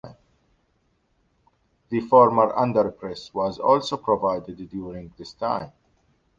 The former underpass was also provided during this time.